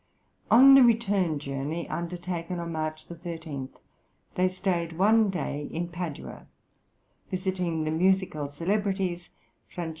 On the return journey, undertaken on March 13, they stayed one day in Padua, visiting the musical celebrities Franc.